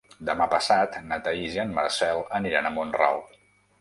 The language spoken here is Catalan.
Demà passat na Thaís i en Marcel aniran a Mont-ral.